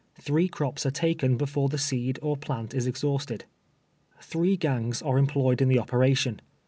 Three crops are taken before the seed or plant is exhausted. Three gangs are employed in the operation.